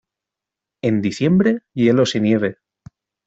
En diciembre, hielos y nieve.